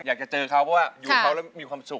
อยากจะเจอเขาเพราะว่าอยู่เขาแล้วมีความสุข